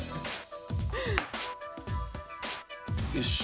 よし！